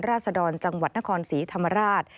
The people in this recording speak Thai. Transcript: ศดรจังหวัดนครศรีธรรมราช